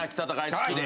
好きで。